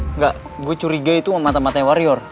enggak gue curiga itu sama mata matanya warior